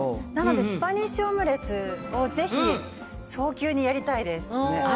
なので、スパニッシュオムレツを、ぜひ早急にやりたいです。